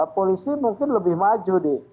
polisi mungkin lebih maju